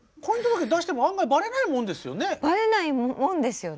バレないもんですよね。